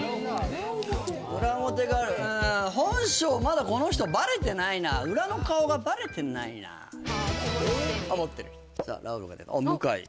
裏表裏表がある本性まだこの人バレてないな裏の顔がバレてないな思ってる人ラウールが出たあっ「向井」